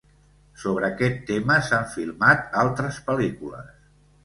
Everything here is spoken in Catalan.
Sobre aquest tema s'han filmat altres pel·lícules.